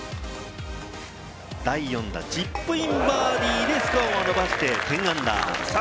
第４打、チップインバーディーでスコアを伸ばして−１０。